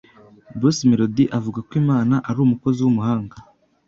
Bruce Melodie avuga ko Imana ari umukozi w’umuhanga,